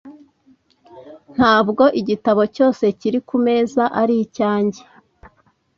Ntabwo igitabo cyose kiri kumeza ari icyanjye.